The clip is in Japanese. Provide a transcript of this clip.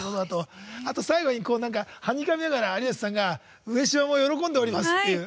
あと最後にはにかみながら有吉さんが上島も喜んでおりますっていう。